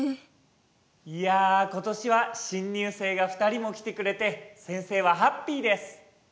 いや今年は新入生が２人も来てくれて先生はハッピーです。